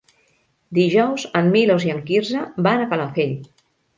Dijous en Milos i en Quirze van a Calafell.